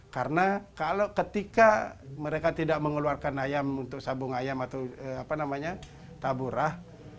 karena kalau ketika mereka tidak mengeluarkan ayam untuk sabung ayam atau apa namanya taburah